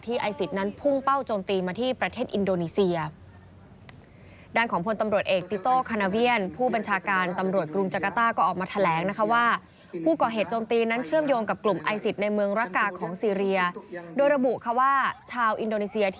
ไอศิษย์นั้นพุ่งเป้าโจมตีมาที่ประเทศอินโดนีเซีย